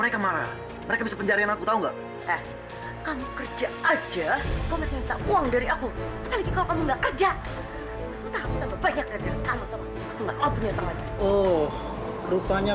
sampai jumpa di video selanjutnya